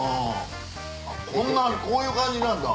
こんなんこういう感じなんだ。